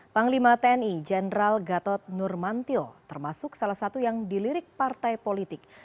panglima tni jenderal gatot nurmantio termasuk salah satu yang dilirik partai politik